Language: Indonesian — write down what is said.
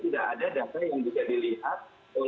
datanya sesuai atau datanya tidak ditemukan